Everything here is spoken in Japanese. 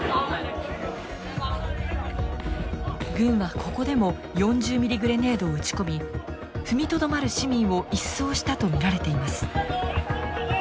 軍はここでも４０ミリグレネードを撃ち込み踏みとどまる市民を一掃したと見られています。